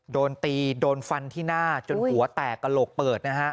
โดนตีโดนฟันที่หน้าจนหัวแตกกระโหลกเปิดนะฮะ